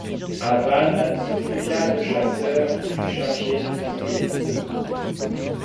À Vannes, ce fut la de chasseurs qui fut chargée de fusiller les prisonniers.